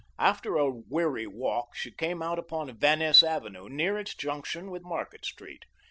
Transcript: After a weary walk, she came out upon Van Ness Avenue, near its junction with Market Street.